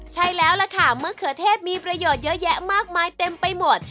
ใช่แล้วล่ะค่ะมะเขือเทศมีประโยชน์เยอะแยะมากมายเต็มไปหมด